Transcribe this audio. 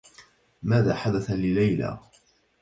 ماذا حدث لليلى.